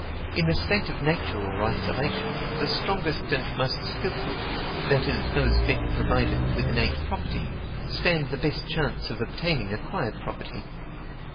In the state of Nature or isolation, the strongest and most skilful (that is, those best provided with innate property) stand the best chance of obtaining acquired property.